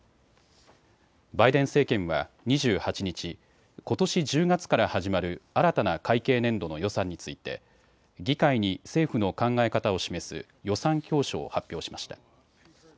バイデン政権は２８日、ことし１０月から始まる新たな会計年度の予算について議会に政府の考え方を示す予算教書を発表しました。